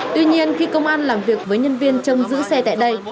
tuy nhiên khi công an làm việc với nhân viên trông giữ xe tại đây